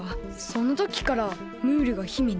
そのときからムールが姫に？